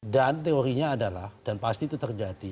dan teorinya adalah dan pasti itu terjadi